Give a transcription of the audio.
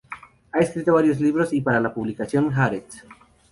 Ha escrito varios libros y para la publicación"Haaretz".